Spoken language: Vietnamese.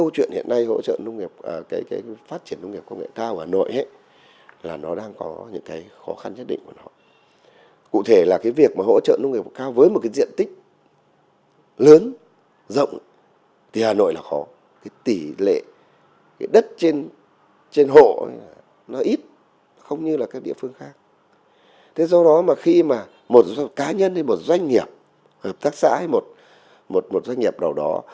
cả nhân hay một doanh nghiệp hợp tác xã hay một doanh nghiệp nào đó